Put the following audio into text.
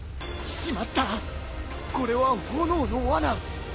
しまったこれは炎のわな！